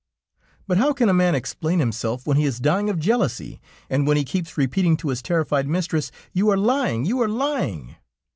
But how can a man explain himself when he is dying of jealousy, and when he keeps repeating to his terrified mistress, 'You are lying! you are lying!'